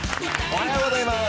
おはようございます。